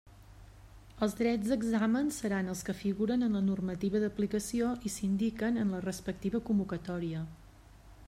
Els drets d'examen seran els que figuren en la normativa d'aplicació i s'indiquen en la respectiva convocatòria.